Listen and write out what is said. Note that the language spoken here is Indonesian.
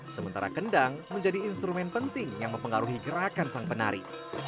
sementara kendang menjadi instrumen penting yang mempengaruhi gerakan sang penari